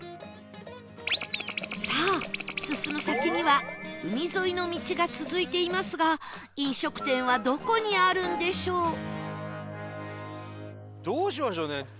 さあ進む先には海沿いの道が続いていますが飲食店はどこにあるんでしょう？